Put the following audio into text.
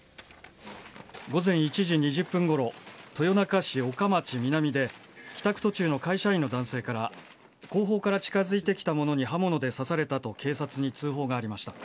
午前１時２０分ごろ、豊中市岡町南で、帰宅途中の会社員の男性から、後方から近づいてきた者に刃物で刺されたと警察に通報がありました。